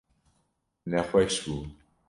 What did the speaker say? Nexweş bû.